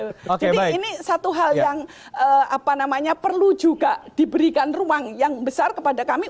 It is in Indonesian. jadi ini satu hal yang perlu juga diberikan ruang yang besar kepada kami